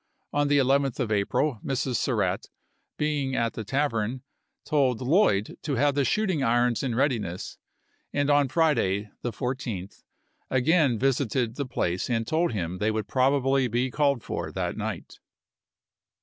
On the 11th of April Mrs. Surratt, being i865. at the tavern, told Lloyd to have the shooting irons in readiness, and on Friday, the 14th, again visited the place and told him they would probably be called for that night.